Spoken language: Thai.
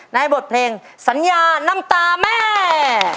บทเพลงสัญญาน้ำตาแม่